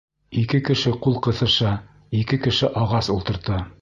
Ике кеше ҡул ҡыҫыша, ике кеше ағас ултырта!..